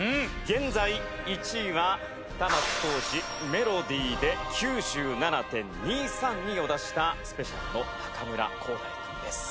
現在１位は玉置浩二『メロディー』で９７．２３２を出したＳｐｅｃｉａＬの中村浩大くんです。